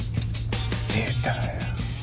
出たよ。